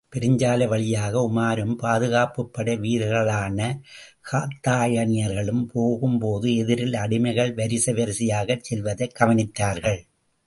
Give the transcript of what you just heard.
பெருஞ்சாலை வழியாக உமாரும் பாதுகாப்புப் படை வீரர்களான காத்தாயனியர்களும் போகும்போது, எதிரிலே அடிமைகள் வரிசை வரிசையாகச் செல்வதைக் கவனித்தார்கள்.